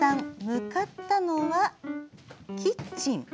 向かったのは、キッチン。